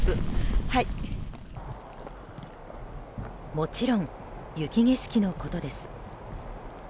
もちろん雪景色のことです。